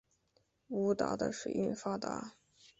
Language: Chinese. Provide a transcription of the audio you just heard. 梧州的水运发达。